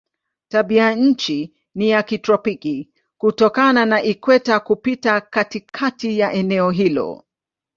Tabianchi ni ya kitropiki kutokana na ikweta kupita katikati ya eneo hilo.